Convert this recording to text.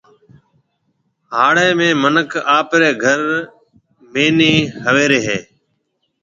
هِاڙي ۾ مِنک آپريَ گهر مئينَي هويري هيَ۔